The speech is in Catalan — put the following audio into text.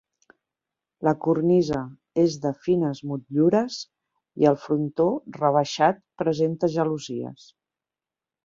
La cornisa és de fines motllures i el frontó, rebaixat, presenta gelosies.